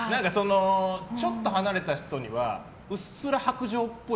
ちょっと離れた人にはうっすら薄情っぽい。